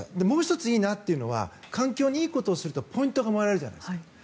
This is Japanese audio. もう１ついいなというのは環境にいいことをするとポイントがもらえるじゃないですか。